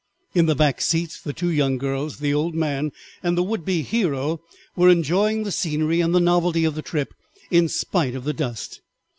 In the back seats the two young girls, the old man, and the would be hero were enjoying the scenery and the novelty of the trip in spite of the dust.